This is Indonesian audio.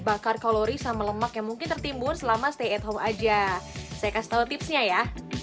bakar kalori sama lemak yang mungkin tertimbun selama stay at home aja saya kasih tahu tipsnya ya